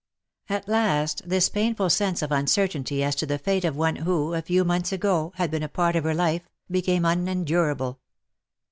At last this painful sense of uncertainty as to the fate of one who, a few months ago, had been a part of her life, became unendurable.